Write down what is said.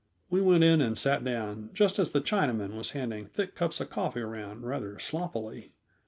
We went in and sat down just as the Chinaman was handing thick cups of coffee around rather sloppily.